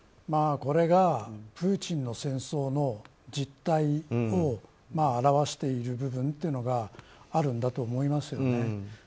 これがプーチンの戦争の実態を表している部分というのがあるんだと思います。